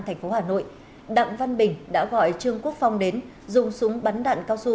thành phố hà nội đặng văn bình đã gọi trương quốc phong đến dùng súng bắn đạn cao su